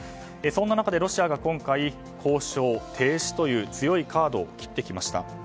そんな中、ロシアは今回交渉停止という強いカードを切ってきました。